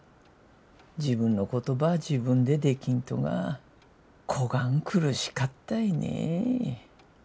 自分のことば自分でできんとがこがん苦しかったいね。